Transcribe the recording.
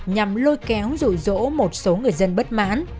nhằm lôi kéo rụ rỗ một số người dân bất mãn